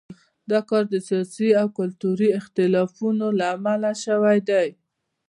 دا کار د سیاسي او کلتوري اختلافونو له امله شوی دی.